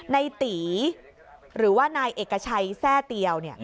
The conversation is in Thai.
ในตีหรือว่านายเอกชัยแทร่เตียว